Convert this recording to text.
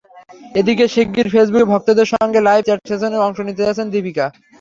এদিকে শিগগির ফেসবুকে ভক্তদের সঙ্গে লাইভ চ্যাট সেশনে অংশ নিতে যাচ্ছেন দীপিকা।